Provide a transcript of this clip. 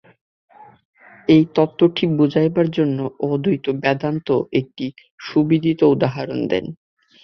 এই তত্ত্বটি বুঝাইবার জন্য অদ্বৈত বেদান্ত একটি সুবিদিত উদাহরণ দেন।